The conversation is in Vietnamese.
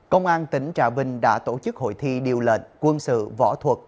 công an tỉnh trà vinh đã tổ chức hội thi điều lệnh quân sự võ thuật